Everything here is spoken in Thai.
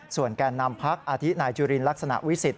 ส่วนแก่นนำพักอาทินัยลักษณาวิสิทธิ์